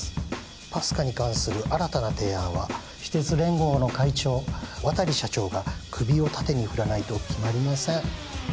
ＰＡＳＣＡに関する新たな提案は私鉄連合の会長渡利社長が首を縦に振らないと決まりません